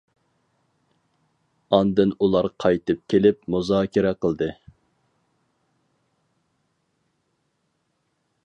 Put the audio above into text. ئاندىن ئۇلار قايتىپ كېلىپ مۇزاكىرە قىلدى.